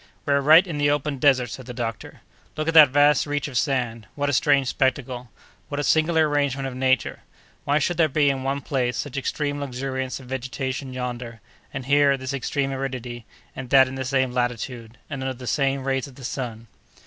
"We are right in the open desert," said the doctor. "Look at that vast reach of sand! What a strange spectacle! What a singular arrangement of nature! Why should there be, in one place, such extreme luxuriance of vegetation yonder, and here, this extreme aridity, and that in the same latitude, and under the same rays of the sun?"